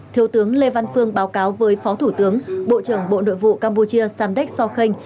thiếu tướng lê văn phương báo cáo với phó thủ tướng bộ trưởng bộ nội vụ campuchia samdech so khanh